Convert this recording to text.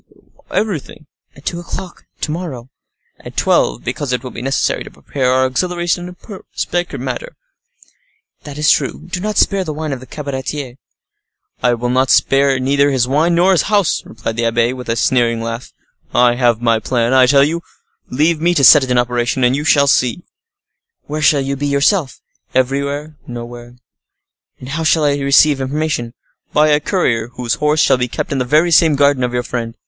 "Everything." "At two o'clock to morrow." "At twelve, because it will be necessary to prepare our auxiliaries in a secret manner." "That is true; do not spare the wine of the cabaretier." "I will spare neither his wine nor his house," replied the abbe, with a sneering laugh. "I have my plan, I tell you; leave me to set it in operation, and you shall see." "Where shall you be yourself?" "Everywhere; nowhere." "And how shall I receive information?" "By a courier whose horse shall be kept in the very same garden of your friend.